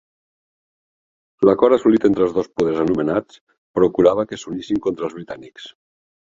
L'acord assolit entre els dos poders anomenats, procurava que s'unissin contra els britànics.